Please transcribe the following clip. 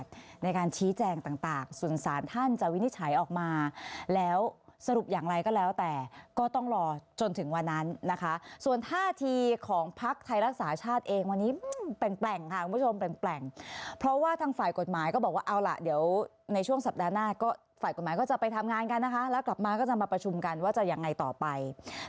ในการชี้แจงต่างส่วนสารท่านจะวินิจฉัยออกมาแล้วสรุปอย่างไรก็แล้วแต่ก็ต้องรอจนถึงวันนั้นนะคะส่วนท่าทีของภักดิ์ไทยรักษาชาติเองวันนี้แปลงค่ะคุณผู้ชมแปลงเพราะว่าทางฝ่ายกฎหมายก็บอกว่าเอาล่ะเดี๋ยวในช่วงสัปดาห์หน้าก็ฝ่ายกฎหมายก็จะไปทำงานกันนะคะแล้วกลับมาก็จะมาประชุมกันว่าจะยังไงต่อไป